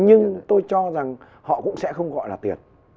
nhưng tôi cho rằng họ cũng sẽ không gọi là tiền